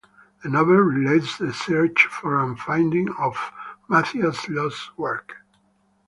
The novel relates the search for and finding of Matthias' lost work.